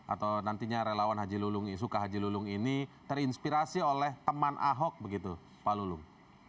atau nantinya relawan suka haji lulung ini terinspirasi oleh teman ahok begitu pak lulung